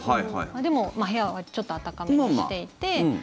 でも、部屋はちょっと暖かめにしていて。